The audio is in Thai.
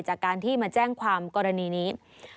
จากการที่มาแจ้งความกรณีนี้